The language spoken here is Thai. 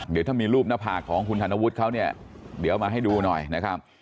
เดี๋ยวถ้ามีรูปหน้าผากของคุณธนวุฒิเขาเนี่ยเดี๋ยวเอามาให้ดูหน่อยนะครับ